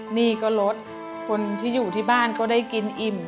หนี้ก็ลดคนที่อยู่ที่บ้านก็ได้กินอิ่ม